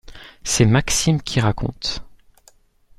C’est Maxime qui raconte.